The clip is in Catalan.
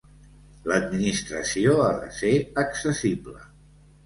L'Administració ha de ser accessible.